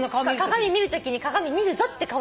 鏡見るときに鏡見るぞって顔で見てる。